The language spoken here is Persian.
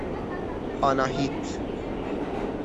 آناهیت